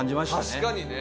確かにね。